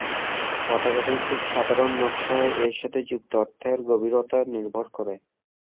পতাকাটির খুব সাধারণ নকশায় এর সাথে যুক্ত অর্থের গভীরতা নির্ভর করে।